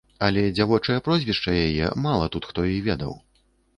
Але дзявочае прозвішча яе мала тут хто і ведаў.